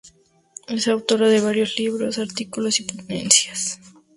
Es autora de varios libros, artículos y ponencias.